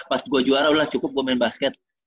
pas gue juara udahlah cukup gue main basket